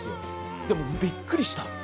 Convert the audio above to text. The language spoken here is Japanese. でも、びっくりした。